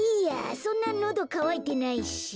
そんなのどかわいてないし。